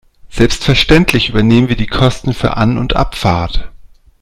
Selbstverständlich übernehmen wir die Kosten für An- und Abfahrt.